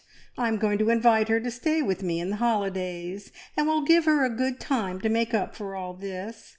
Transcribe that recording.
I am going to invite her to stay with me in the holidays, and will give her a good time to make up for all this.